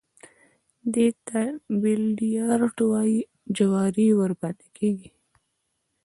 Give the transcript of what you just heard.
دې ته بيليارډ وايي جواري ورباندې کېږي.